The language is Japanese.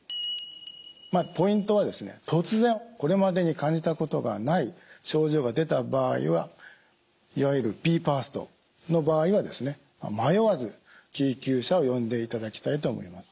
ポイントは突然これまでに感じたことがない症状が出た場合はいわゆるＢＥＦＡＳＴの場合は迷わず救急車を呼んでいただきたいと思います。